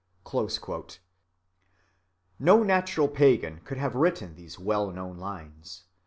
(40) No natural pagan could have written these well‐known lines.